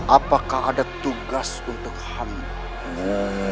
apakah ada tugas untuk ham